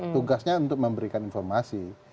tugasnya untuk memberikan informasi